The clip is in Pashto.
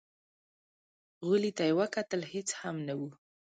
غولي ته يې وکتل، هېڅ هم نه و.